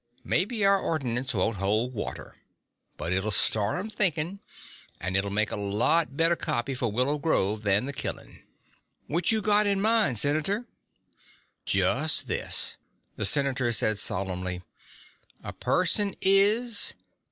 Maybe our ordinance won't hold water. But it'll start 'em thinking and it'll make a lots better copy for Willow Grove than the killing." "What you got in mind, Senator?" "Just this:" the Senator said solemnly. "A person is